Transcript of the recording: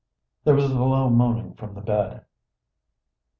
There was a low moaning from the bed.